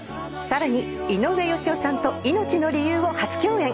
さらに井上芳雄さんと『いのちの理由』を初共演。